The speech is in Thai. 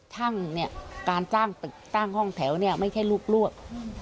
ช่างการสร้างตึกสร้างห้องแถวนี่ไม่ใช่รูปรวก